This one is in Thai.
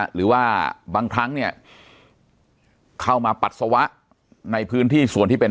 หรือว่าบางครั้งเนี่ยเข้ามาปัสสาวะในพื้นที่ส่วนที่เป็น